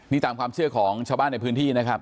นี่ตามความเชื่อของชาวบ้านในพื้นที่นะครับ